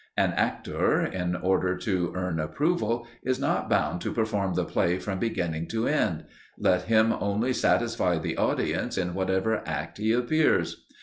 An actor, in order to earn approval, is not bound to perform the play from beginning to end; let him only satisfy the audience in whatever act he appears.